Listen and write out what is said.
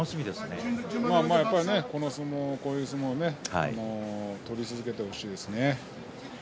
こういう相撲を取り続けてほしいですね。